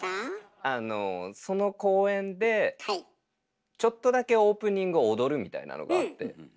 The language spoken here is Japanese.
その公演でちょっとだけオープニング踊るみたいなのがあって。